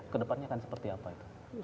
kedepannya akan seperti apa itu